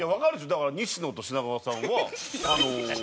だから西野と品川さんはいないんで。